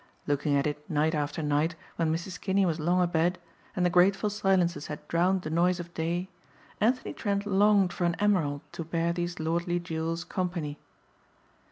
Looking at it night after night when Mrs. Kinney was long abed and the grateful silences had drowned the noise of day, Anthony Trent longed for an emerald to bear these lordly jewels company.